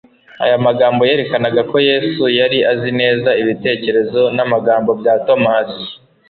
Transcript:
Ayo magambo yerekanaga ko Yesu yari azi neza ibitekerezo n'amagambo bya Tomasi.